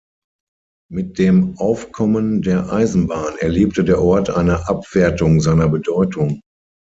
Mit dem Aufkommen der Eisenbahn erlebte der Ort eine Abwertung seiner Bedeutung.